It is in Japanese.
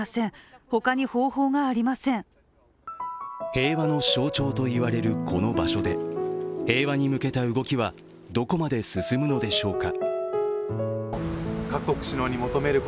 平和の象徴といわれるこの場所で平和に向けた動きはどこまで進むのでしょうか。